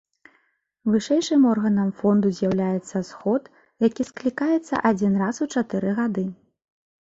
Вышэйшым органам фонду з'яўляецца сход, які склікаецца адзін раз у чатыры гады.